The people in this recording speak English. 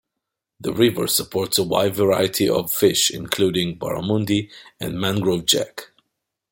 The river supports a wide variety of fish including barramundi and mangrove jack.